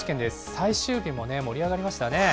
最終日も盛り上がりましたね。